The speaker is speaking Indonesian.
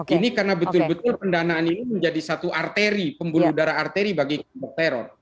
ini karena betul betul pendanaan ini menjadi satu arteri pembuluh darah arteri bagi kelompok teror